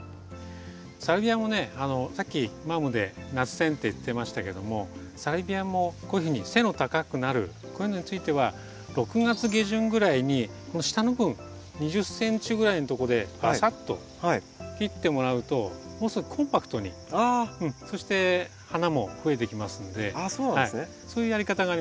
サルビアもねさっきマムで夏せん定って言ってましたけどもサルビアもこういうふうに背の高くなるこういうのについては６月下旬ぐらいにこの下の部分２０ｃｍぐらいのとこでバサッと切ってもらうとものすごいコンパクトにそして花も増えてきますのでそういうやり方があります。